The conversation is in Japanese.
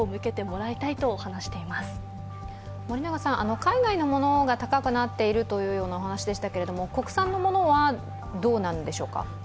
海外のものが高くなっているというお話でしたけれども国産のものはどうなんでしょうか？